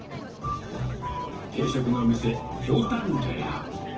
定食の店、ひょうたん茶屋。